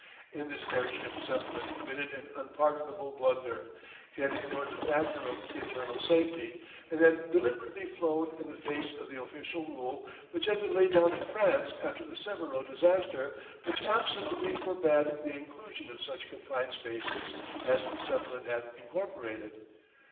In this airship Zeppelin committed an unpardonable blunder. He had ignored the factor of "internal safety," and had deliberately flown in the face of the official rule which had been laid down in France after the Severo disaster, which absolutely forbade the inclusion of such confined spaces as Zeppelin had incorporated.